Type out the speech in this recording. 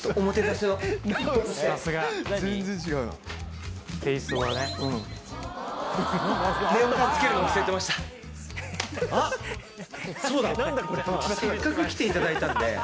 せっかく来ていただいたんで。